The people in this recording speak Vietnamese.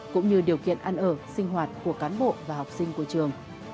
cũng như điều kiện ăn ở sinh hoạt của cán bộ và học sinh của trường